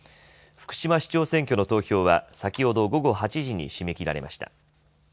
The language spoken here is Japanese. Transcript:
福島市長選挙の投票は先ほど午後８時に締め切られました。